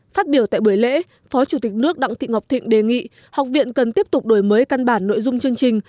phát biểu tại buổi lễ phó chủ tịch nước đặng thị ngọc thịnh đề nghị học viện cần tiếp tục đổi mới căn bản nội dung chương trình